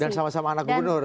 dan sama sama anak gubernur